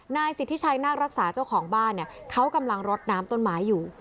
นายสิทธิชัยนาครักษาเจ้าของบ้านเนี่ยเขากำลังรดน้ำต้นไม้อยู่